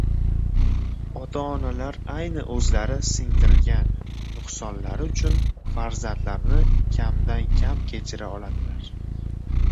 Ota-onalar ayni o‘zlari singdirgan nuqsonlari uchun farzandlarini kamdan-kam kechira oladilar.